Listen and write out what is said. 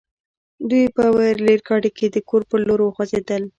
دوی په يوه ريل ګاډي کې د کور پر لور وخوځېدل.